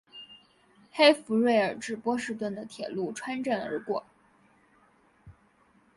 黑弗瑞尔至波士顿的铁路穿镇而过。